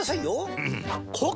うん！